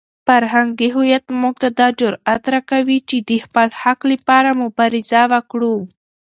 فرهنګي هویت موږ ته دا جرئت راکوي چې د خپل حق لپاره مبارزه وکړو.